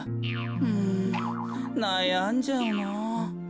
うんなやんじゃうな。